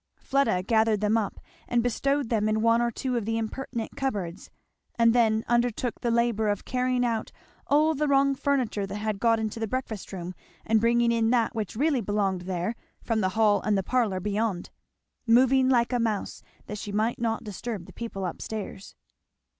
Fleda gathered them up and bestowed them in one or two of the impertinent cupboards, and then undertook the labour of carrying out all the wrong furniture that had got into the breakfast room and bringing in that which really belonged there from the hall and the parlour beyond; moving like a mouse that she might not disturb the people up stairs.